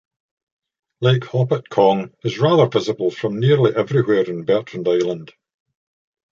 Lake Hopatcong is rather visible from nearly everywhere on Bertrand Island.